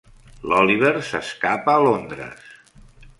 L'Oliver s'escapa a Londres.